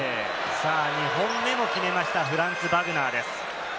２本目も決めました、フランツ・バグナーです。